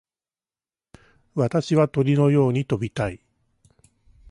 私は鳥のように飛びたい。